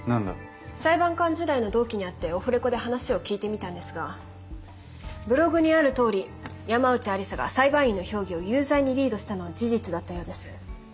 裁判官時代の同期に会ってオフレコで話を聞いてみたんですがブログにあるとおり山内愛理沙が裁判員の評議を有罪にリードしたのは事実だったようです。